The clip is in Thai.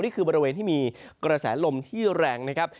นี่คือบริเวณที่มีกรสายลมที่แรงนะครับ